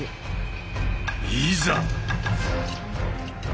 いざ！